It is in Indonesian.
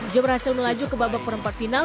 joe berhasil melaju ke babak perempat final